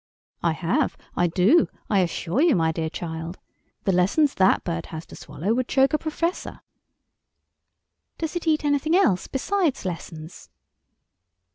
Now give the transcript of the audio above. "I have, I do, I assure you, my dear child. The lessons that bird has to swallow would choke a Professor." "Does it eat anything else besides lessons?"